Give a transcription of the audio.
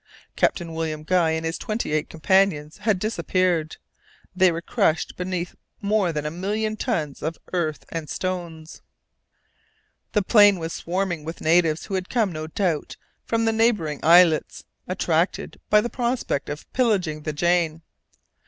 Captain William Guy and his twenty eight companions had disappeared; they were crushed beneath more than a million tons of earth and stones. The plain was swarming with natives who had come, no doubt, from the neighbouring islets, attracted by the prospect of pillaging the Jane.